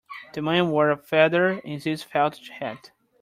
The man wore a feather in his felt hat.